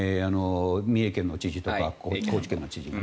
三重県の知事、高知県の知事。